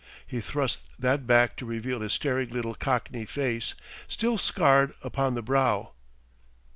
He thrust that back to reveal his staring little Cockney face, still scarred upon the brow.